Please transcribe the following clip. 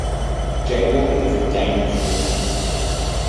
Jaywalking is a dangerous risk.